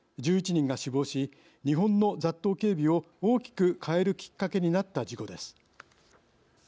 １１人が死亡し日本の雑踏警備を大きく変えるきっかけになった事故です。